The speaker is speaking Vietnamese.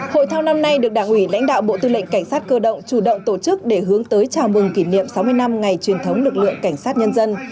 hội thao năm nay được đảng ủy lãnh đạo bộ tư lệnh cảnh sát cơ động chủ động tổ chức để hướng tới chào mừng kỷ niệm sáu mươi năm ngày truyền thống lực lượng cảnh sát nhân dân